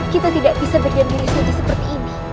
kita tidak bisa berdiam diri suci seperti ini